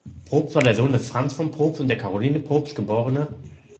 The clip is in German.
Probst war der Sohn des Franz von Probst und der Karoline Probst geb.